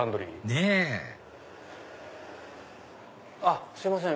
ねぇあっすいません